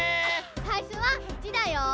さいしょは１だよ。